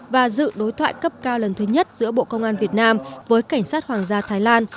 và dự đối thoại cấp cao lần thứ nhất giữa bộ công an việt nam với cảnh sát hoàng gia thái lan